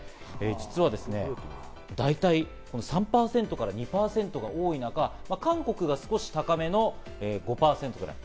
実は大体、この３％から２％が多い中、韓国が少し高めの５％ぐらい。